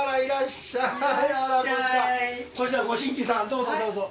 どうぞどうぞ。